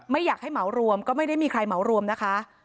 ไม่อยากให้เหมารวมก็ไม่ได้มีใครเหมารวมนะคะ